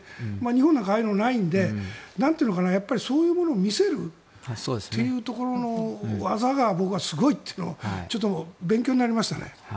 日本なんかああいうのがないのでそういうものを見せるというところの技が、僕はすごいというのをちょっと勉強になりましたね。